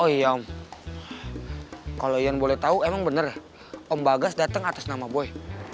oh iya om kalau oyan boleh tahu emang bener om bagas datang atas nama boy